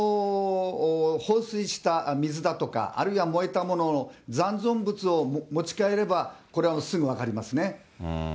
放水した水だとか、あるいは燃えたものの残存物を持ち帰れば、これはすぐ分かりますね。